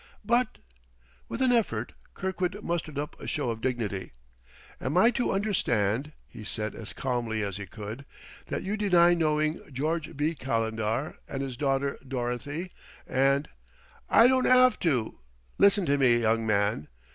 "But !" With an effort Kirkwood mustered up a show of dignity. "Am I to understand," he said, as calmly as he could, "that you deny knowing George B. Calendar and his daughter Dorothy and " "I don't 'ave to. Listen to me, young man."